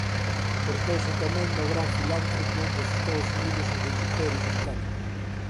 Converteuse tamén no gran filántropo dos Estados Unidos e do imperio británico.